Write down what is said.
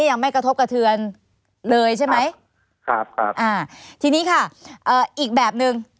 ยังไม่กระทบกระเทือนเลยใช่ไหมครับครับอ่าทีนี้ค่ะเอ่ออีกแบบหนึ่ง